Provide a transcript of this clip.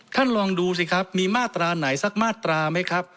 ท่านลองดูสิครับมีมาตราไหนสักมาตราไหมครับ